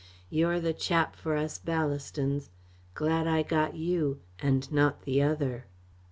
"You're the chap for us Ballastons. Glad I got you and not the other."